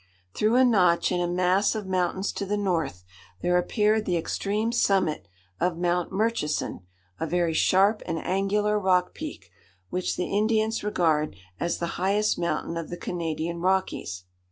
Through a notch in a mass of mountains to the north, there appeared the extreme summit of Mount Murchison, a very sharp and angular rock peak, which the Indians regard as the highest mountain of the Canadian Rockies.